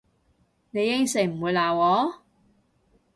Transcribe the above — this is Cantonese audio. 你應承唔會鬧我？